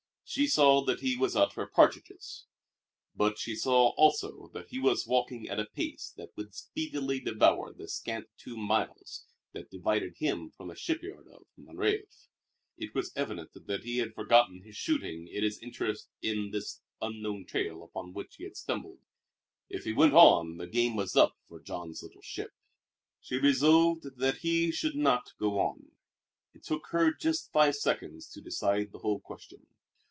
She saw that he was out for partridges but she saw, also, that he was walking at a pace that would speedily devour the scant two miles that divided him from the shipyard of "Mon Rêve." It was evident that he had forgotten his shooting in his interest in this unknown trail upon which he had stumbled. If he went on the game was up for Jean's little ship! She resolved that he should not go on. It took her just five seconds to decide the whole question.